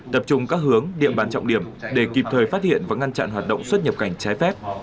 tập trung các hướng địa bàn trọng điểm để kịp thời phát hiện và ngăn chặn hoạt động xuất nhập cảnh trái phép